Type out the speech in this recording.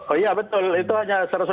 oh iya betul itu hanya satu ratus enam puluh